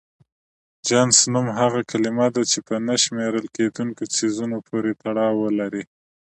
جنس نوم هغه کلمه ده چې په نه شمېرل کيدونکو څيزونو پورې تړاو ولري.